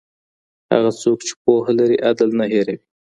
هغه څوک چي پوهه لري عدل نه هېروي.